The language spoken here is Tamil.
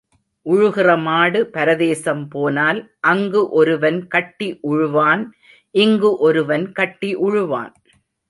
உழுகிற மாடு பரதேசம் போனால் அங்கு ஒருவன் கட்டி உழுவான் இங்கு ஒருவன் கட்டி உழுவான்.